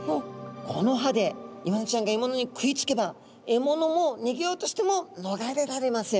この歯でイワナちゃんがえものに食いつけばえものもにげようとしてものがれられません。